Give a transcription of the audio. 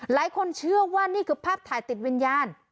หลายคนเชื่อว่านี่คือภาพถ่ายติดวิญญาณ